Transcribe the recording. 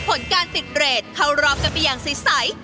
ผลการติดเรทเข้ารอบกันไปอย่างใส